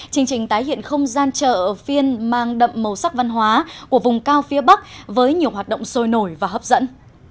chương trình tái hiện không gian chợ phiên mang đậm màu sắc văn hóa của vùng cao phía bắc với nhiều hoạt động sôi nổi và hấp dẫn